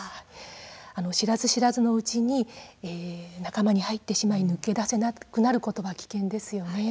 知らず知らずのうちに仲間に入ってしまい抜け出せなくなることは危険ですよね。